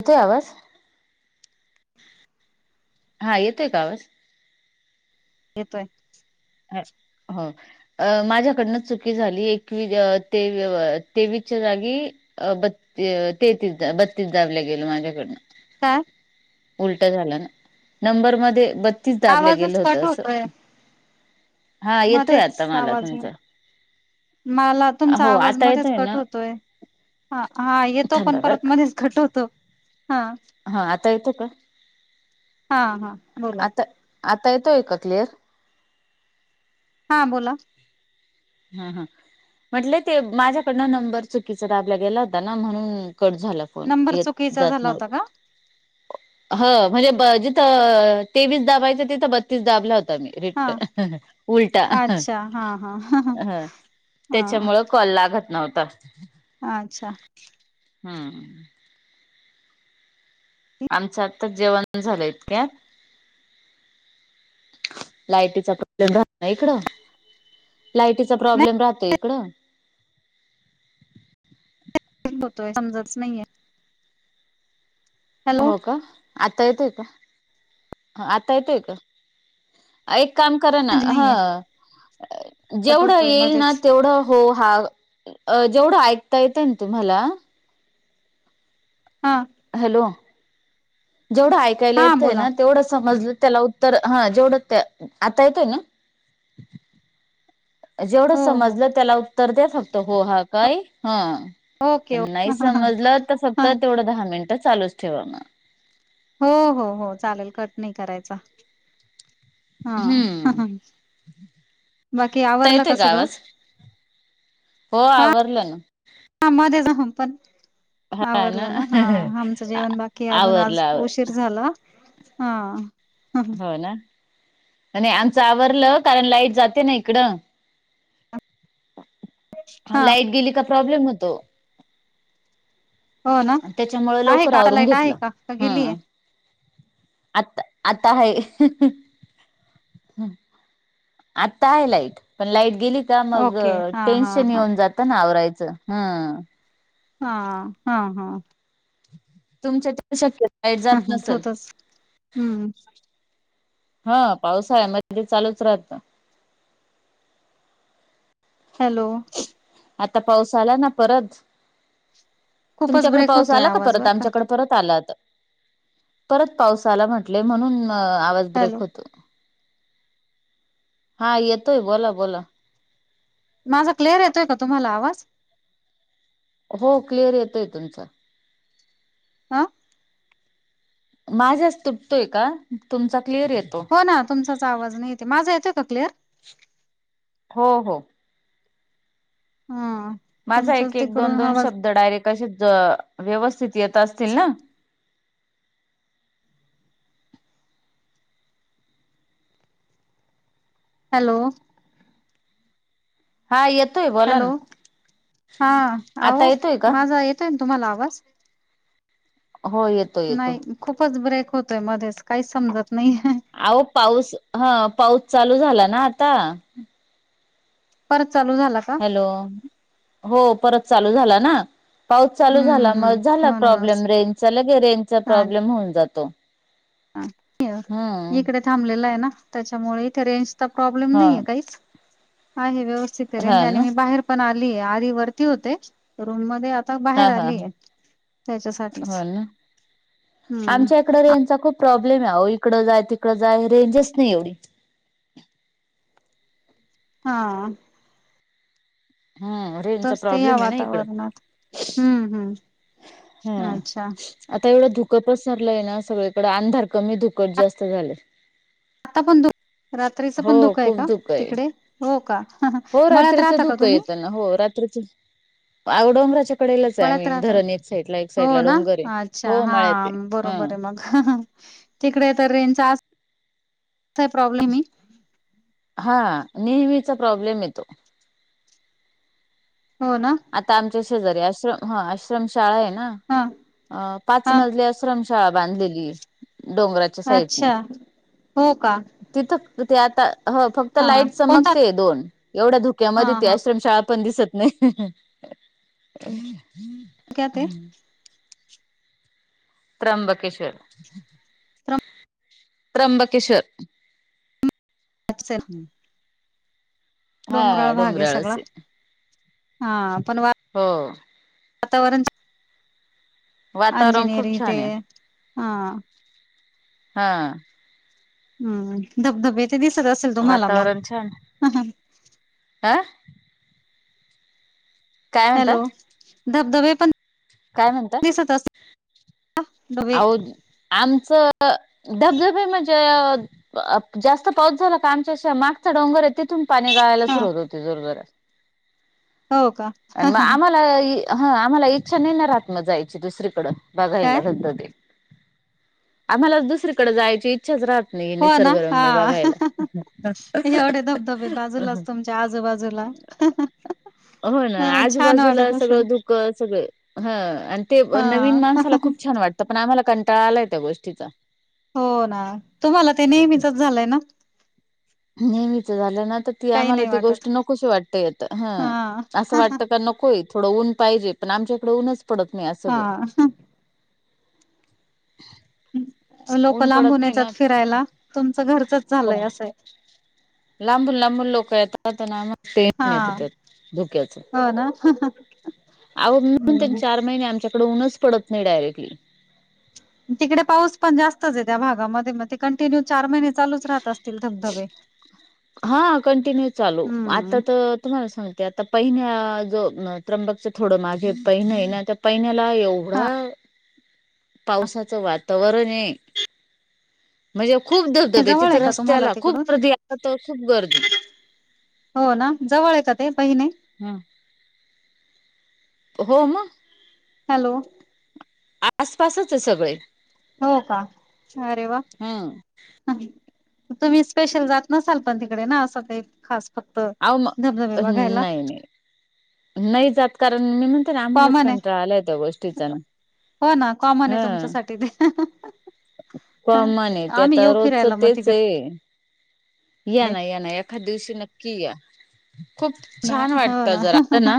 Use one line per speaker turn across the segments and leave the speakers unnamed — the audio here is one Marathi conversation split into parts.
येतोय आवाज? हा येतोय का आवाज?
येतोय.
[unintelligible] हो. अ माझ्याकडनंच चुकी झाली, एकवी तेवीसच्या जागी. अ बत्ती तेहतीस बत्तीस दाबल गेलं माझ्या कडन.
काय?
उलट झाला ना, नंबर मध्ये बत्तीस दाबल्या
आवाजच
गेलं
कट
होतं असं. हा
म
येतोय
तेच
आता
सहा
मला
आवाजल.
तुमचा.
मला तुमचा
हो
आवाज
आता
मध्येच
येतोय
कट
ना
होतोय, हा येतो
थांबा
पण
बर
परत
का
मधीच. खट होतो हां.
हा आता येतो का.
हा हा. बोला
आता आता येतोय का क्लिअर.
हां बोला.
हा हा. म्हटले ते माझ्याकडनं नंबर चुकीचा दाबला गेला, होता ना म्हणून कट झाला. पण
नंबर
येत
चुकीचा
जात
झाला होता
नव्हत.
का
ह म्हणजे जिथं ब तेवीस दाबायचं तिथं बत्तीस दाबल होतं. म
हा
रिट उलटा.
अच्छा हा. हा
हा तेच्यामुळं कॉल लागतं नव्हता.
आच्छा.
हम. आमचं आत्ता जेवण झालंयत क्या. लायटीचा प्रॉब्लेम राहत ना इकड, लाईटीचा
नाही
प्रॉब्लेम राहतो इकडं.
[unintelligible] समजतच नाहीे ये. हॅलो
हो का, आता येतोय का आता येतोय का. एक काम करा ना,
म्हणजे नाहीये
ह.
कट
जेवढं
होतोय
येईल ना
मध्येच
तेवढं. हो हा जेवढं ऐकता येतं ना तुम्हाला.
हां.
हॅलो. जेवढं ऐकायला
हा
येतंय
बोला
ना, तेवढं समजलं त्याला उत्त उत्तर हा जेवढच ते, आता येतोय ना. जेवढं
हो हो
समजलं त्याला उत्तर द्या, फक्तं हो हा काय हं.
ओके ओके
पण नाही
हा
समजल
हा
फक्त तेवढं, दहा मिनिट चालूच ठेवा मग.
हो हो हो चालेल कट नाही करायचा. हा ह
हम्म
ह बाकी
आता
आवरलं
येतोय
का सगळं.
आवाज हो आवरलं ना.
ह मध्ये जहम पण. आवरलं ना हा, आमचं जेवण बाकी अजून
आवरलं
आज
आवर
उशीर झाला. हा.
हो ना आणि, आमचं आवरलं कारण लाईट जाते ना इकडं.
हा
लाईट गेली का प्रॉब्लेम होतो.
हो ना
तेच्या मुळं
आहे
लवकर
का
आवरून
लाईट आहे
घेतलं
का गेलीय?
ह. आता आता हाय. आत्ता आहे लाईट. पण लाईट गेली का मग,
ओके हा हा
टेन्शन
हा
येऊन जातं ना आवरायचं. ह...
हा हा हा.
तुमच्या त्या शक्यतो लाईट जात नसेल.
होतच हम्म
हा पावसाळ्यामध्ये ते चालूच राहत.
हॅलो.
आता पाऊस आला ना परत
खूपच
तुमच्याकड
ब्रेक
पाऊस
होतोय
आला का
आवाज
परत
बर
आमच्याकड. परत आला आता परत पावसाला म्हटले म्हणून आवाज
हॅलो
ब्रेक होतो. हा येतोय बोला बोला.
माझा क्लेअर येतोय का तुम्हाला आवाज.
हो क्लिअर येतय तुमचं.
आ.
माझ्यास तुटतोय का तुमचा क्लिअर येतो.
हो ना तुमचाच आवाज नाही येते माझा येतय क्लियर.
हो हो.
हा.
माझा
तुमचाच
एक एक दोन
तिकडून
दोन
आवाज
शब्द डायरेक्ट असे व्यवस्थित येत असतील ना.
हॅलो.
हा येतोय बघ.
हॅलो हा
आता
अहो
येतोय का?
माझा येतोय ना तुम्हाला आवाज.
हो येत.
ब्रेक होतोय मध्येच काही समजत नाहीये.
अहो पाऊस ह पाऊस चालू झाला ना आता.
परत चालू झाला. का?
हॅलो हो परत चालू झाला ना. पाऊस चालू
हम्म
झाला मग
हम्म
झाला
म्हणूनच
प्रॉब्लेम रेजचा लगे रेजचा प्रॉब्लेम होऊन जातो.
ह
हम्म
इकडे थांबलेलं आहे ना त्याच्यामुळे रेंज. प्रॉब्लेम
हा
नाही काहीच आहे व्यवस्थित
हा
रेंज.
ना
पण आली आधी वरती होते् रूम मध्ये आता बाहेर
हा हा
आलीय त्याच्यासाठीच हम्म
तक रेंजचा खूप प्रॉब्लेम आहे हो इकडं जाय तिकडं जाय रेंजच नाही एवढी.
हा.
हा. रेन चा
तच ते या
प्रॉब्लेम आहे ना इकडं.
वातावरणात हम्म हम्म अच्छा
आता एवढं धुक पसरलंय ना सगळीकडें अंधार कमी धुकच जास्त झालय.
आता पण रात्रीच
हो
पण धुक आहे
खूप
का
धुकं आहे.
तिकडे हो का
हो
मळ्यात
रात्रीचं
राहता का
धुकं
तुम्ही.
येतं हो. अहो डोंगराच्या. पडेलच आहे
मळ्यात
आम्ही
राहतात
धरण एक साईडला एक
हो
साईडला
ना
डोंगर आहे हो मळ्यात ह
ह तिकडे आता रेंजचा प्रॉब्लेम आहे.
हा नेहमीचा प्रॉब्लेम येतो.
हो ना.
आता आमच्या शेजारी आश्रम ह आश्रमशाळा आहे
हा
ना पाच
हा
मजली आश्रमशाळा बांधलेली डोंगराच्या साईडनी.
अच्छा हो का
तिथं ते आता ह फक्त. फक्त
हा
लाईट
कोणता
चमकते दोन एवढ्या
हा
धुक्यामध्ये ती
हा
आश्रमशाळा पण दिसत नाही. [unintelligible]
काय ते?
त्र्यंबकेशोर त्र्यंबकेशोर.
अच्छा!
हम्म.
डोंगराळ भाग आहे सगळा हा पण वा
हो
वातावरण
वातावरण खूप
अंजिनीयरिंग ते
छान आहे
हा. [unintelligible]
हा.
हम्म धबधबे ते [unintelligible] हा.
आह. काय म्हणता
हॅलो! धबधबे पण.
काय म्हणता
दिसत असतं डबे.
अहो
[unintelligible]
आमचं धबधबे म्हणजे जास्त पाऊस झाला का, आमच्याा मागचा डोंगर आहे तिथून पाणी गाळायला
हा
सुरुवात होते जोर जोरात.
हो का?
आणि मग
काय
आम्हाला ह आम्हाला इच्छा नाही ना, राहत मग जायची दुसरीकडं. बघायला गणपती आम्हाला, दुसरीकडे जायची इच्छा. इच्छा राहत नाही,
हो
निसर्ग
ना
रम्य
हा
बघायला.
च्या आजूबाजूला.
हो ना
अ छान
आजूबाजूला
वाटत
सगळं
असेल.
दुख क सगळ ह आणि ते
हा
नवीन माणसाला खूप छान वाटत. तर पण आम्हाला कंटाळा आलाय, त्या गोष्टीचा.
हो ना तुम्हाला ते नेहमीच झालंय ना.
नेहमीच झालं ना तर. ती
काही
आम्हाला
नाही
ती
वाटत.
गोष्ट नकोशी वाटते येत, हं
हा
असं वाटतं का नको येत थोडं ऊन पाहिजे पण, आमच्याकडे ऊनच पडत नाही सगळं
हा लोक
ऊन
लांबून
पडत नाही ना
येतात फिरायला, तुमचं घरच झालंय असंय
लांबून लांबून लोक येतात ना, म ते
हा
येत त्यात धोक्याच
हो ना
अहो म्हणून त्यांनी
हम्म.
चार महिने आमच्याकडे ऊनच पडत नाही डायरेक्टली
तिकडे पाऊस पण जास्तच आहे, त्या भागामध्ये मग? कंटिन्यू चार महिने चालूच राहत, असतील धबधबे?
हा कंटिन्यू चालू, आता
हम्म
तर तुम्हाला सांगते, आता पहिन जो त्र्यंबकच थोडं मागे पहिन येना महिन्याला एवढ
[inaudible]
पावसाचं वातावरण आहे. म्हणजे खूप
हे
धबधबे
जवळ
तिथ,
आहे का तुम्हाला
रस्त्याला खूप
तिकडून
गर्दी आला तर खूप गर्दी
हो ना, जवळ य ते बहिने
हम्म. हो मंग.
हॅलो..
आसपासच आहे सगळे.
हो का? अरे! वा.
हम्म
तुम्ही स्पेशल जात नसाल पण तिकडे ना? असं का खास. फक्त,
अहो म
धबधबे बघायला.
नाही नाही नाही जात कारण, मी म्हणते ना, आम्हालाच
कॉमन आहे
कंटाळ आलाय त्या गोष्टीचा ना.
हो ना, कॉमन आहे
हा
तुमच्यासाठी ते.
कॉमन आहे, ते
आम्ही
आता
येऊ फिरायला
रोजचं
मग
तेच
तिकडे
ये. या ना, या ना, एखाद्या दिवशी नक्की या, खूप छान
हो
वाटतं
ना
जर आलं ना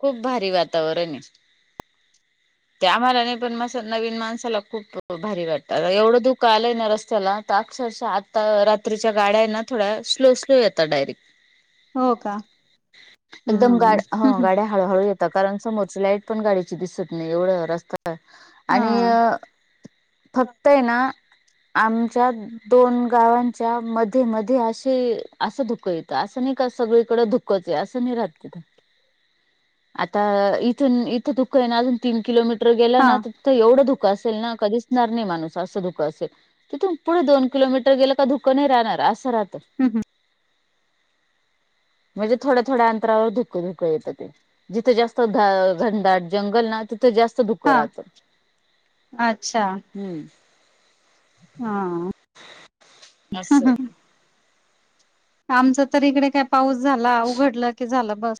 खूप भारी वातावरण ये. ते आम्हाला नाही पण म असं नवीन माणसाला खूप भारी वाटतं, आता एवढं धुक आलंय ना रस्त्याला अक्षरशः आता रात्रीच्या गाड्या हेना, थोड्या स्लो स्लो येतात डायरेक्ट.
हो का,
एकदम
हम्म
गाड
हं
ह
हं.
गाड्या हळूहळू येता, कारण कि समोरची लाईट पण गाडीची दिसत नाही, एवढं रस्ता
हा
आणि, फक्त हे ना, आमच्या दोन गावांच्या मध्ये मध्ये, असं असं धुक येतं, असं नाही का सगळीकडे धुकं धुकच आहे, असं नाही राहत तिथं, आता इथून इथं धुक आहे ना अजून तीन किलोमीटर गेलं
हा
ना तिथ एवढं धुक असेल ना, का दिसणार नाही माणूस असं धुकं असेल. तिथून पुढं दोन किलो मीटर गेलं का धुक नाही राहणार, असं राहतं.
ह [inaudible]
म्हणजे थोड्या थोड्या अंतरावर धूकं धुकं येतं ते. जिथं जास्त घनदाट जंगल ना तिथं जास्त धुकं
हा
राहतं,
अच्छा
हम्म.
हा
असंय.
आमचं तर इकडे काय पाऊस झाला, उघडलं की झालं बस.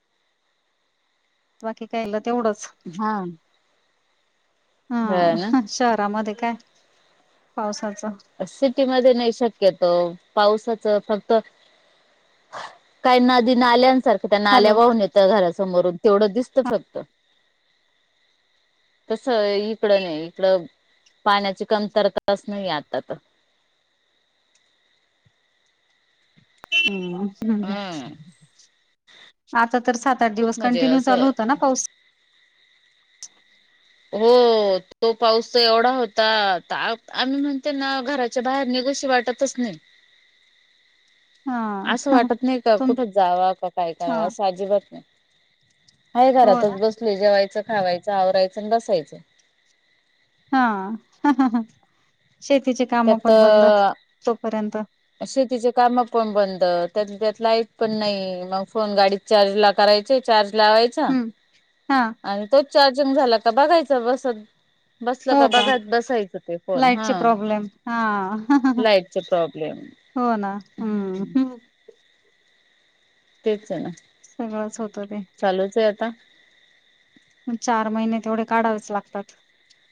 बाकी कायलं तेवढंच.
हां.
हां,
ना
शहरामध्ये काय पावसाचं.
सिटीमध्ये नाही शक्यतो, पावसाचं फक्त काय नदी नाल्यासारखं त्या नाल्या
हॅलो
वाहून येत त्या घरासमोरून तेवढं दिसतं फक्त. तसं इकडं नाही, इकडं पाण्याची कमतरताच नाहीये आता तर.
हम्म हं.
हम्म
आता तर सात आठ
खूप
दिवस
म्हणजे
कंटिन्यू चालू
असं
होताना पाऊस
हो, तो पाऊस एवढा होता, त आम्ही म्हणते ना घराच्या बाहेर निघोशी वाटत तच नाही.
हं [inaudible]
असं वाटत नाही का, कुठं जाव का काय
हा
करावा, असं अजिबात नाही. आहे
हो ना
घरातच बसलोय, जेवायचं, खावायचं, आवरायचं, आणि बसायचं.
हां, शेतीचे कामं पण बंद,
त्यात
तोपर्यंत
शेतीचे कामं पण बंद, त्यात त्यात लाईट पण नाही, मग फोन गाडीत चार्ज ला करायचे, चार्ज लावाय चा,
हम्म हा
आणि तो चार्जिंग झाला का बघायचा बसत. बसलं का बघत बसायचं ते फोन, हां.
हां,
प्रॉब्लेम
हो ना, हम्म.
तेचय ना.
सगळंच होतं ते.
चालूच आहे आता.
मग चार महिने तेवढे काढावेच लागतात.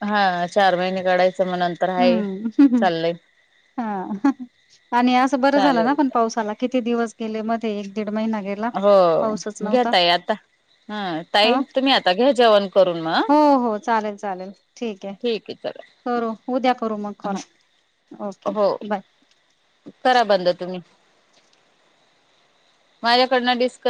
हा चार महिने काढायचं, मग नंतर हाय
हम्म.
चाललंय
हा आणि असं बरं झालं ना
चालेल
पण पाऊस आला. किती दिवस गेले, मध्ये एक दीड महिना गेल
हो. घ्या ताई आता हं
ह
ताई तुम्ही आता घ्या जेवण करून
हो
मग
हो चालेल चालेल ठीक आहे. करू उद्या करू मग कॉल
हा
ओके
हो
बाय.
करा बंद तुम्ही. माझ्याकडनं डिस्क